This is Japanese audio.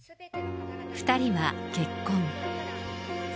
２人は結婚。